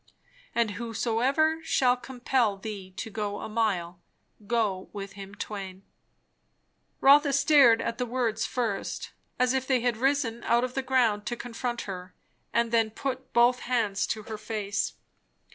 And whosoever shall compel thee to go a mile, go with him twain." Rotha stared at the words first, as if they had risen out of the ground to confront her; and then put both hands to her face.